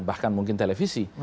bahkan mungkin televisi